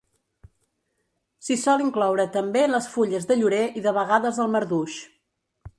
S'hi sol incloure també les fulles de llorer i de vegades el marduix.